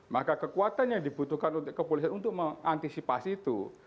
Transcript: maka kekuatan yang dibutuhkan untuk kepolisian untuk mengantisipasi itu